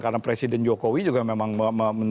karena presiden jokowi juga memang mendorong